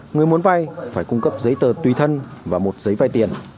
người muốn vay phải cung cấp giấy tờ tùy thân và một giấy vay tiền